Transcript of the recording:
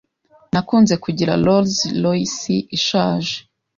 Nakunze kugira Rolls Royce ishaje.